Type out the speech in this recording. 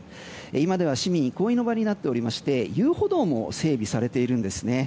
今では市民の憩いの場になっていまして遊歩道も整備されているんですね。